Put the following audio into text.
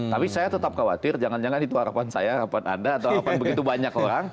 tapi saya tetap khawatir jangan jangan itu harapan saya harapan anda atau harapan begitu banyak orang